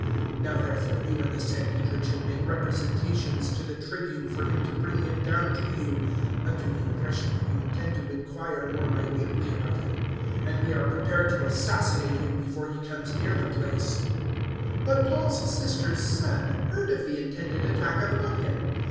023:015 Now therefore you and the Sanhedrin should make representations to the Tribune for him to bring him down to you, under the impression that you intend to inquire more minutely about him; and we are prepared to assassinate him before he comes near the place." 023:016 But Paul's sister's son heard of the intended attack upon him.